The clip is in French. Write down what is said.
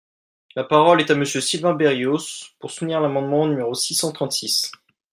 La parole est à Monsieur Sylvain Berrios, pour soutenir l’amendement numéro six cent trente-six.